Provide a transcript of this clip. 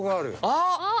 あっ！